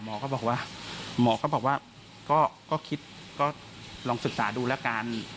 หมอก็บอกว่าก็ลองศึกษาดูแล้วกัน